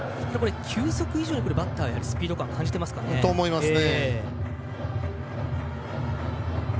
球速以上にバッターはスピード感を感じていますかね。と思いますね。